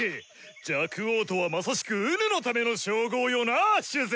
若王とはまさしく己のための称号よなぁ首席